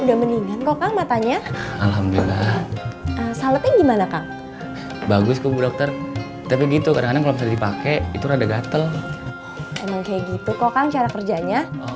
emang kayak gitu kok kan cara kerjanya